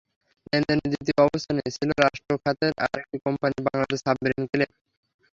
লেনদেনের দ্বিতীয় অবস্থানে ছিল রাষ্ট্র খাতের আরেক কোম্পানি বাংলাদেশ সাবমেরিন কেব্ল।